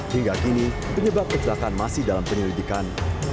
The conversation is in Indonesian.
hingga kini penyebab kecelakaan masih dalam penyelidikan